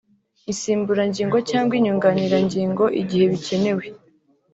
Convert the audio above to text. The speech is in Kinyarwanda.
insimburangingo cyangwa inyunganirangingo igihe bikenewe